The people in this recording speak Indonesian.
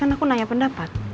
karena aku jadinya bingung mas